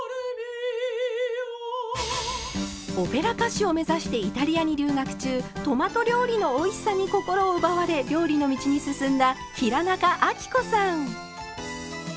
オペラ歌手を目指してイタリアに留学中トマト料理のおいしさに心を奪われ料理の道に進んだ平仲亜貴子さん。